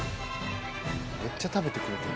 めっちゃ食べてくれてる。